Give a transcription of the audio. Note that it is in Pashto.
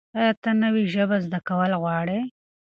ایا ته نوې ژبه زده کول غواړې؟